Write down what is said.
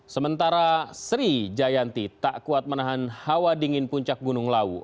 sementara sri jayanti tak kuat menahan hawa dingin puncak gunung lawu